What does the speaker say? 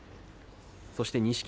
そして錦